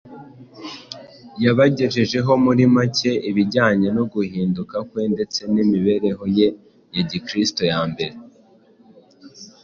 yabagejejeho muri make ibijyanye no guhinduka kwe ndetse n’imibereho ye ya Gikristo ya mbere.